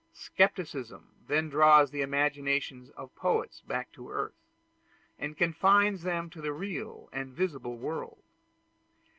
Scepticism then draws the imagination of poets back to earth, and confines them to the real and visible world.